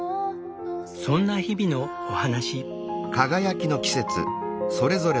そんな日々のお話。